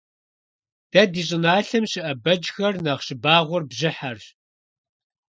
Дэ ди щIыналъэм щыIэ бэджхэр нэхъ щыбагъуэр бжьыхьэрщ.